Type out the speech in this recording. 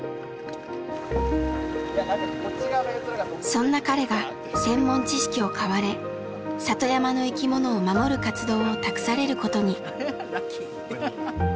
そんな彼が専門知識を買われ里山の生きものを守る活動を託されることに。